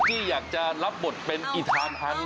ที่อยากจะรับบทเป็นอิทานฮัน